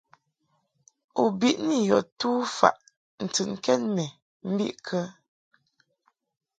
U biʼni yɔ tufaʼ ntɨnkɛd mɛ mbiʼ kə ?